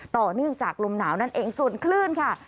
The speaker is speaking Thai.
ต่อเนื่องจากลมหนาวนั่นเองส่วนคลื่นค่ะ